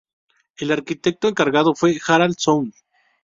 El arquitecto encargado fue Harald Sund.